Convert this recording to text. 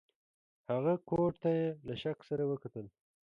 هغه کوټ ته یې له شک سره وکتل.